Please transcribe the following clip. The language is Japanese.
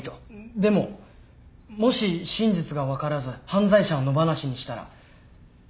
でももし真実が分からず犯罪者を野放しにしたら。